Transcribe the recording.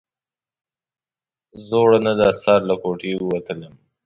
زوړنده سر له کوټې ووتلم.